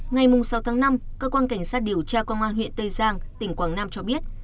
ngày sáu tháng năm cơ quan cảnh sát điều tra công an huyện tây giang tỉnh quảng nam cho biết